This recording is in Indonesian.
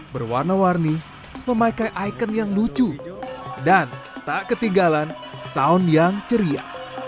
berwarna warni memakai ikon yang lucu dan tak ketinggalan sound yang ceria